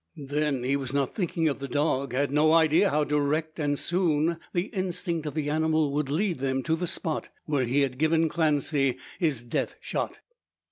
Then he was not thinking of the dog; had no idea how direct, and soon, the instinct of the animal would lead them to the spot where he had given Clancy his death shot.